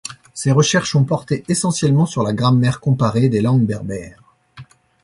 Ses recherches ont porté essentiellement sur la grammaire comparée des langues berbères.